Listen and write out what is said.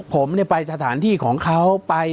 ผมเนี่ยไปสถานที่ของเขาไป